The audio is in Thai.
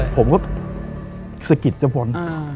ผมก็ศกิดจะบ่น